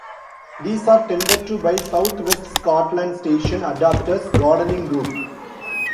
These are tended to by South West Scotland Station Adopters Gardening Group.